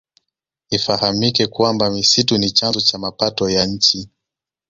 Ifahamike kwamba misitu ni chanzo cha mapato ya nchi